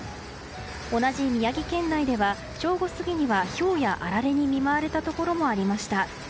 同じ宮城県内では正午過ぎにはひょうやあられに見舞われたところもありました。